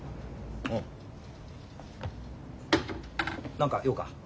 何か用か？